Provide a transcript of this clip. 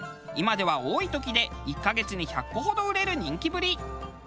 今では多い時で１カ月に１００個ほど売れる人気ぶり。